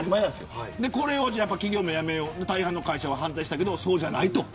これをやめよう大半の会社は反対したけどそうじゃないと。